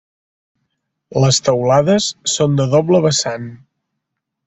Les teulades són de doble vessant.